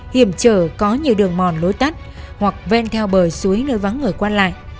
hiểm trở có nhiều đường mòn lối tắt hoặc ven theo bờ suối nơi vắng người quan lại